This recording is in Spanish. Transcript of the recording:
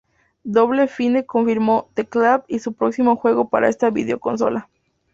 Double Fine confirmó "The Cave" y su próximo juego para esta videoconsola.